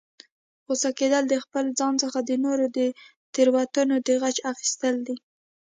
غوسه کیدل، د خپل ځان څخه د نورو د تیروتنو د غچ اخستل دي